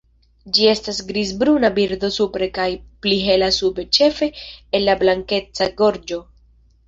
Ĝi estas grizbruna birdo supre kaj pli hela sube ĉefe en la blankeca gorĝo.